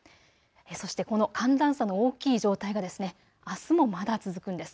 そしてこの寒暖差の大きい状態があすもまだ続くんです。